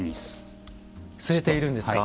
据えているんですか？